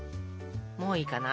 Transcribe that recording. もういいかな。